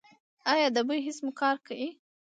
ایا د بوی حس مو کار کوي؟